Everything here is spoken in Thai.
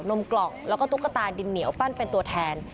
มกล่องแล้วก็ตุ๊กตาดินเหนียวปั้นเป็นตัวแทน